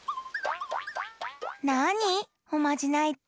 なに？おまじないって。